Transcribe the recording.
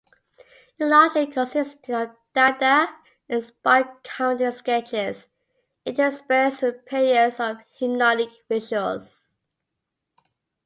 It largely consisted of dada-inspired comedy sketches, interspersed with periods of hypnotic visuals.